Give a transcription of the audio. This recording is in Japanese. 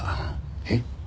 えっ？